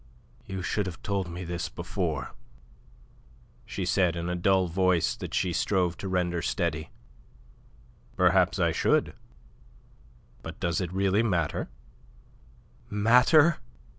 "You should have told me this before," she said, in a dull voice that she strove to render steady. "Perhaps I should. But does it really matter?" "Matter?"